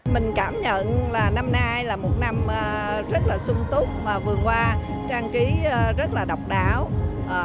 mình cảm nhận là năm nay là một năm rất là sung túc và vườn hoa trang trí rất là độc đáo